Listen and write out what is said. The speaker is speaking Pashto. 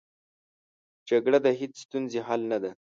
جګړه د هېڅ ستونزې حل نه ده